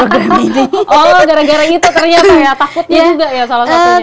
kalau gara gara itu ternyata takutnya juga ya salah satunya